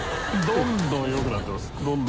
どんどん良くなってます。